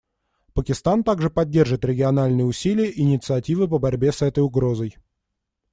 Пакистан также поддержит региональные усилия и инициативы по борьбе с этой угрозой.